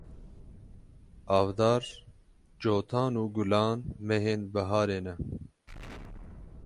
Avdar, Cotan û Gulan mehên biharê ne.